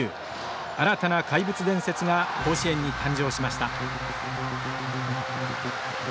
新たな怪物伝説が甲子園に誕生しました。